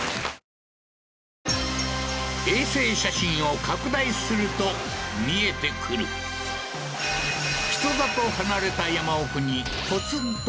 衛星写真を拡大すると見えてくる人里離れた